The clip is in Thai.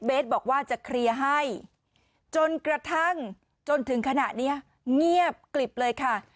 บอกว่าจะเคลียร์ให้จนกระทั่งจนถึงขณะนี้เงียบกลิบเลยค่ะ